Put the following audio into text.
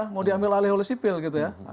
mau diambil alih oleh sipil gitu ya